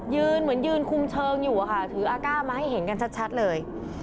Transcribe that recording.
เหมือนยืนคุมเชิงอยู่อะค่ะถืออาก้ามาให้เห็นกันชัดเลย